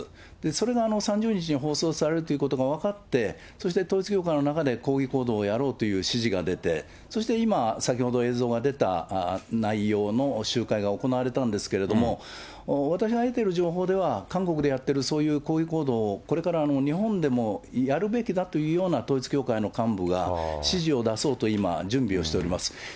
それが３０日に放送されるということが分かって、そして統一教会の中で抗議行動をやろうという指示が出て、そして今、先ほど映像が出た内容の集会が行われたんですけれども、私が得ている情報では、韓国でやっているそういう抗議行動を、これから日本でもやるべきだというような統一教会の幹部が指示を出そうと今、準備をしております。